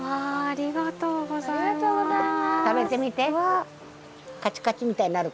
ありがとうございます！